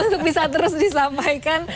untuk bisa terus disampaikan